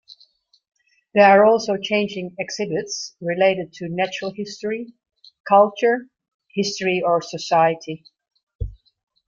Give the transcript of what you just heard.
There are also changing exhibits related to natural history, culture, history or society.